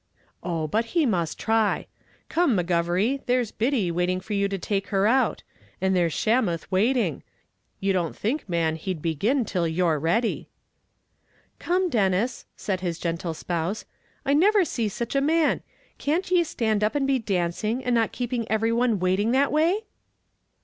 "Oh! but he must try. Come, McGovery, there's Biddy waiting for you to take her out; and here's Shamuth waiting you don't think, man, he'd begin till you're ready." "Come, Denis," said his gentle spouse, "I never see sich a man; can't ye stand up and be dancing, and not keeping everyone waiting that way?"